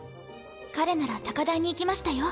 彼なら高台に行きましたよ。